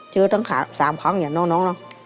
เจอตั้งสามคล้องอย่างน้อง